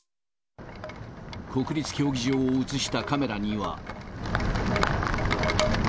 国立競技場を写したカメラには。